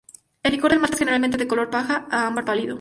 El licor de malta es generalmente de color paja a ámbar pálido.